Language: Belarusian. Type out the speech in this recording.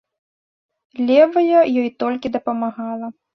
Левая ёй толькі дапамагала.